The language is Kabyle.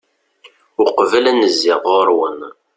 uqbel ad n-zziɣ ɣur-wen